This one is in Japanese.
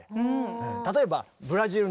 例えばブラジルのサンバ。